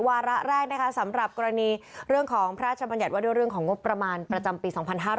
วาระแรกนะคะสำหรับกรณีเรื่องของพระราชบัญญัติว่าด้วยเรื่องของงบประมาณประจำปี๒๕๕๙